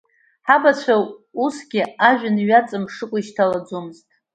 Ҳабацәа усгьы, ажәҩан иҩаҵамԥшыкәа ишьҭалаӡомызт.